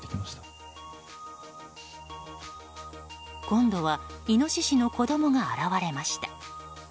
今度はイノシシの子供が現れました。